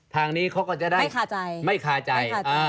ทางนี้เขาก็จะได้ไม่คาใจ